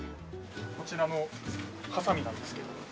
こちらのはさみなんですけど。